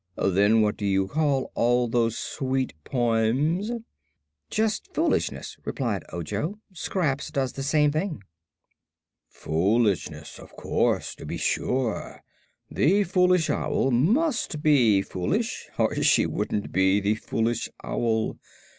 Then what do you call all those sweet poems?" "Just foolishness," replied Ojo. "Scraps does the same thing." "Foolishness! Of course! To be sure! The Foolish Owl must be foolish or she wouldn't be the Foolish Owl.